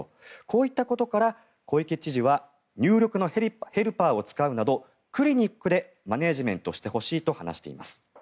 こういったことから小池知事は入力のヘルパーを使うなどクリニックでマネジメントしてほしいと話しています。